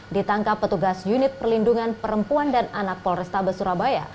ditangkap petugas unit perlindungan perempuan dan anak polrestabes surabaya